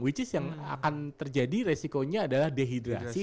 which is yang akan terjadi resikonya adalah dehidrasi